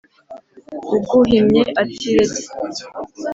Uguhimye atiretse .....